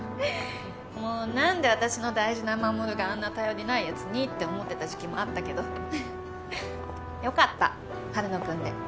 もう何で私の大事な衛があんな頼りないやつにって思ってた時期もあったけどよかった春野君で。